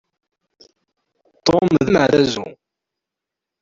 Tom d ameɛdazu.